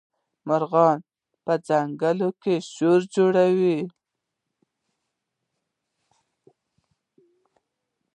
مارغان په ځنګل کي شور جوړوي.